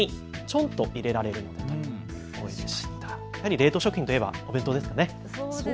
冷凍食品といえばお弁当ですかね。